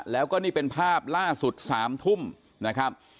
แล้วก็นี่เป็นภาพล่าสุด๓ทุ่มนะครับ